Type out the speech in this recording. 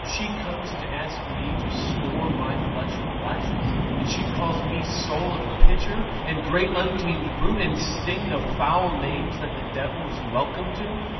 She comes to ask me to score my flesh with lashes, and she calls me soul of a pitcher, and great untamed brute, and a string of foul names that the devil is welcome to.